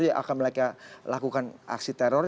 yang akan mereka lakukan aksi teror